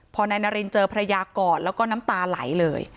พอนายน่ะรินทร์เจอภรรยากอดเราก็น้ำตาไหลเลย